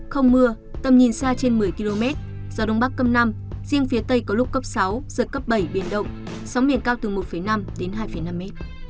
không mưa tầm nhìn xa trên một mươi km gió đông bắc cấp năm riêng phía tây có lúc cấp sáu giật cấp bảy biển động sóng biển cao từ một năm đến hai năm m